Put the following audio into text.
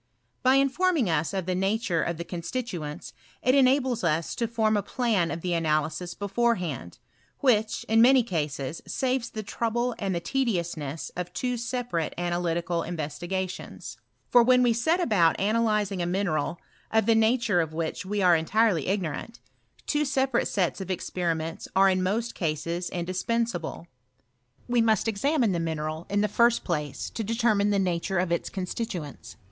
By informing us of tile nature of the constituents, it enables ua to form B plan of the analysis beforehand, which, in many cases, saves the trouble and the tediousnew of two separate analytical investigations ; for when we set PE0OR£8S OF AKitLYTICAL CHEMISTRY. 241 about analyzing a mineral, of the nature of which we are entirely ignorant, two separate sets of experi ments are in most cases indispensable. We must €xamine the mineral, in the first place, to determine the nature of its constituents.